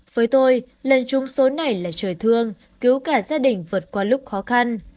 với tôi lần trúng số này là trời thương cứu cả gia đình vượt qua lúc khó khăn